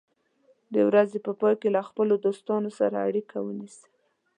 د ورځې په پای کې له خپلو دوستانو سره اړیکه ونیسه.